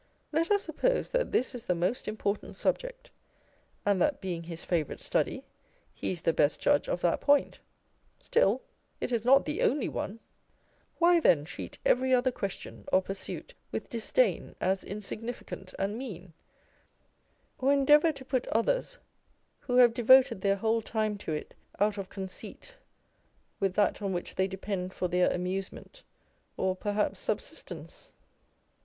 Let us sup pose that this is the most important subject, and that being his favourite study, he is the best judge of that point, still it is not the only one â€" why, then, treat every other question or pursuit with disdain as insignificant and mean, or endeavour to put others who have devoted their whole time to it out of conceit with that on which they depend for their amusement or (perhaps) subsistence